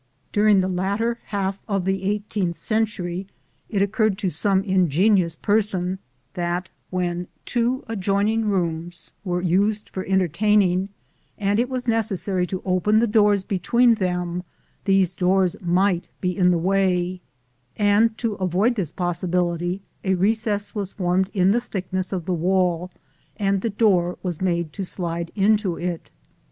During the latter half of the eighteenth century it occurred to some ingenious person that when two adjoining rooms were used for entertaining, and it was necessary to open the doors between them, these doors might be in the way; and to avoid this possibility, a recess was formed in the thickness of the wall, and the door was made to slide into it.